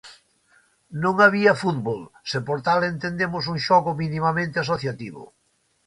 Non había fútbol se por tal entendemos un xogo minimamente asociativo.